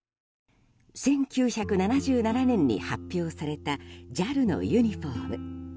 １９７７年に発表されたＪＡＬのユニホーム。